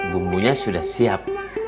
bumbunya sudah siap